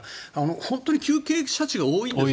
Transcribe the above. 本当に急傾斜地が多いんですね。